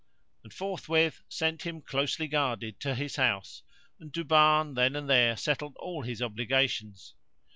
and forthwith sent him closely guarded to his house, and Duban then and there settled all his obligations.